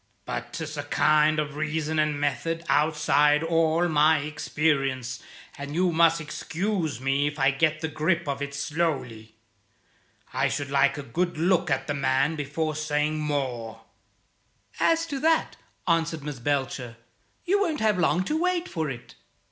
But 'tis a kind of reason and method outside all my experience, and you must excuse me if I get the grip of it slowly. I should like a good look at the man before saying more." "As to that," answered Miss Belcher, "you won't have long to wait for it.